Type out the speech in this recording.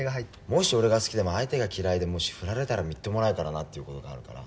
「もし俺が好きでも相手が嫌いでもし振られたらみっともないからなっていう事があるから」